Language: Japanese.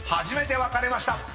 ［初めて分かれました。